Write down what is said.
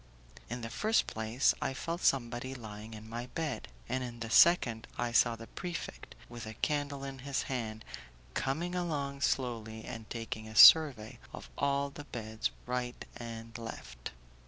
In the first place I felt somebody lying in my bed, and in the second I saw the prefect, with a candle in his hand, coming along slowly and taking a survey of all the beds right and left.